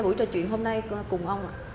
buổi trò chuyện hôm nay cùng ông